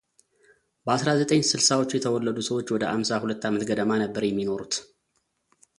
በ አስራ ዘጠኝ ስልሳዎቹ የተወለዱ ሰዎች ወደ አምሳ ሁለት ዓመት ገደማ ነበር የሚኖሩት።